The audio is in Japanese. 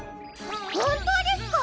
ほんとうですか？